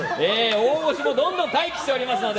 大御所もどんどん待機しておりますので。